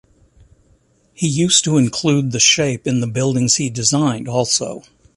He used to include the shape in the buildings he designed also.